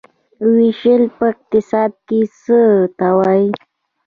ویش په اقتصاد کې څه ته وايي؟